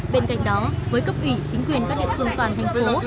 bên cạnh đó với cấp ủy chính quyền các địa phương toàn thành phố